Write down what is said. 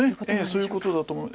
そういうことだと。